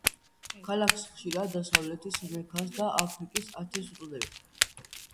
ქალაქს ხშირად დასავლეთის „მექას“ და აფრიკის „ათენს“ უწოდებენ.